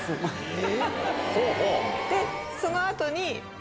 ・え！